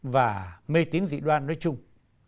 và mê tín dị đoan nói chung